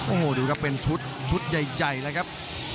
โอ้โหดูครับเป็นชุดชุดใหญ่เลยครับ